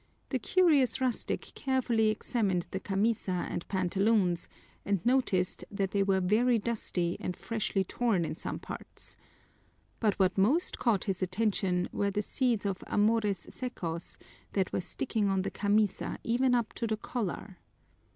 The curious rustic carefully examined the camisa and pantaloons, and noticed that they were very dusty and freshly torn in some parts. But what most caught his attention were the seeds of amores secos that were sticking on the camisa even up to the collar.